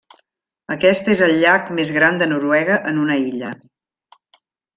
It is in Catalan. Aquest és el llac més gran de Noruega en una illa.